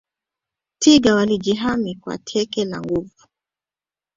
twiga wanajihami kwa teke la nguvu